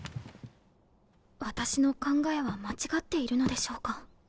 私の考えは間違っているのでしょうか？